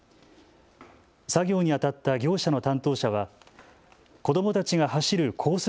作業にあたった業者の担当者は子どもたちが走るコース